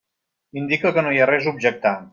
Indica que no hi ha res a objectar.